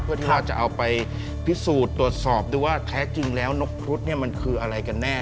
เพื่อที่เราจะเอาไปพิสูจน์ตรวจสอบดูว่าแท้จริงแล้วนกครุฑเนี่ยมันคืออะไรกันแน่